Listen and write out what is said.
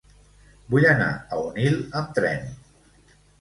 Vull anar a Onil amb tren.